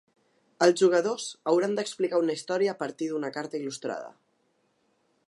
Els jugadors hauran d’explicar una història a partir d’una carta il·lustrada.